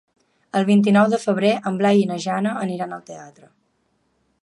El vint-i-nou de febrer en Blai i na Jana aniran al teatre.